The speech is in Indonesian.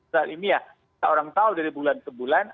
soal ini ya kita orang tahu dari bulan ke bulan